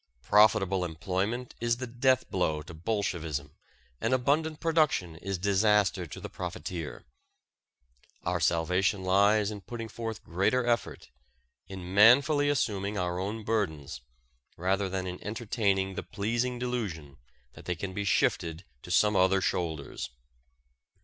Profitable employment is the death blow to Bolshevism and abundant production is disaster to the profiteer. Our salvation lies in putting forth greater effort, in manfully assuming our own burdens, rather than in entertaining the pleasing delusion that they can be shifted to some other shoulders.